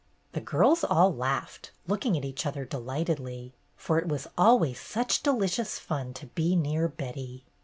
The girls all laughed, looking at each other delightedly, for it was always such delicious fun to be near Betty.